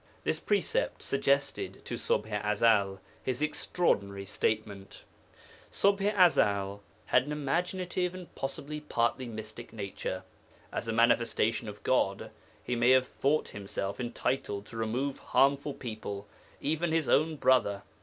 This precept suggested to Ṣubḥ i Ezel his extraordinary statement. Ṣubḥ i Ezel had an imaginative and possibly a partly mystic nature. As a Manifestation of God he may have thought himself entitled to remove harmful people, even his own brother.